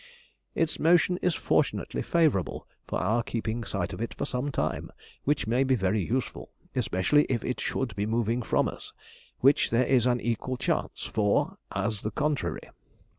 Its motion is fortunately favourable for our keeping sight of it for some time, which may be very useful, especially if it should be moving from us, which there is an equal chance for, as the contrary.